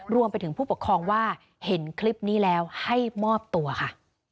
รวมไปถึงผู้ปกครองว่าเห็นคลิปนี้แล้วให้มอบตัวค่ะ